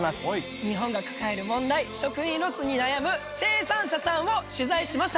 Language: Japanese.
日本が抱える問題食品ロスに悩む生産者さんを取材しました。